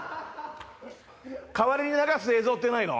代わりに流す映像ってないの？